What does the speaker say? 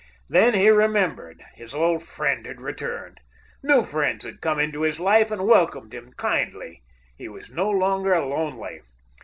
Then he remembered. His old friend had returned. New friends had come into his life and welcomed him kindly. He was no longer lonely.